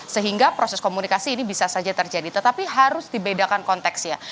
sehingga proses komunikasi ini bisa saja terjadi tetapi harus dibedakan konteksnya